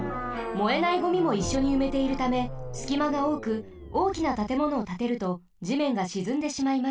燃えないゴミもいっしょにうめているためすきまがおおくおおきなたてものをたてるとじめんがしずんでしまいます。